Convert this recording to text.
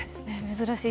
珍しい。